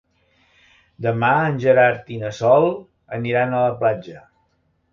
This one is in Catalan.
Demà en Gerard i na Sol aniran a la platja.